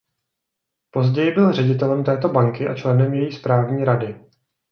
Později byl ředitelem této banky a členem její správní rady.